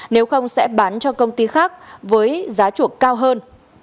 nếu không sẽ bán cho công ty khác với giá chuộc cao hơn